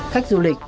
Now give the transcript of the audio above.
khách du lịch